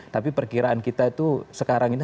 tapi perkiraan kita itu sekarang ini